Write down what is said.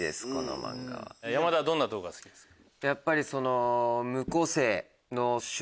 山田はどんなとこが好きですか？